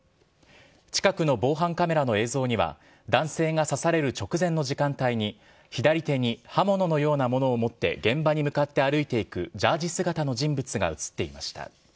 近くの防犯カメラの映像には、男性が刺される直前の時間帯に、左手に刃物のようなものを持って現場に向かって歩いていくジャージ姿の人物が写っていました。